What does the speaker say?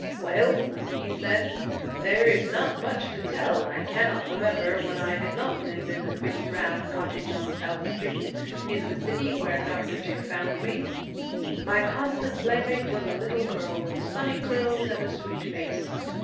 "Well," he said, "there is not much to tell. I cannot remember when I did not live in the pretty brown cottage on South street, in the city where Dr. Dick found me. My constant playmate was a little girl with sunny curls and a sweet face.